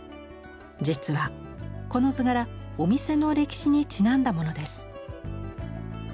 実はこの図柄お店の歴史にちなんだものです。